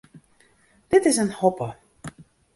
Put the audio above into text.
Dit is in hoppe.